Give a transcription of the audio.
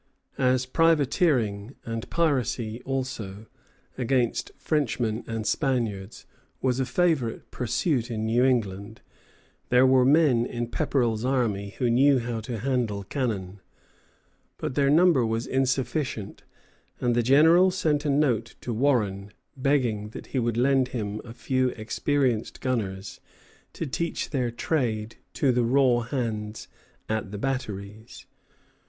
As privateering, and piracy also, against Frenchmen and Spaniards was a favorite pursuit in New England, there were men in Pepperrell's army who knew how to handle cannon; but their number was insufficient, and the General sent a note to Warren, begging that he would lend him a few experienced gunners to teach their trade to the raw hands at the batteries.